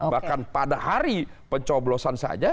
bahkan pada hari pencoblosan saja